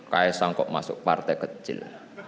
saya sangkut masuk partai kecil